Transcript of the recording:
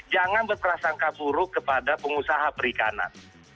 jangan berprasangka buruk kepada pengusaha perikanan